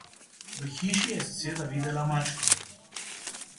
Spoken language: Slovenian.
V hiši soseda je videla mačko.